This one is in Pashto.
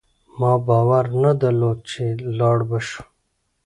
ما باور نه درلود چي لاړ به شو